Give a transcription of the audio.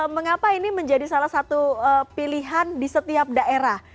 mengapa ini menjadi salah satu pilihan di setiap daerah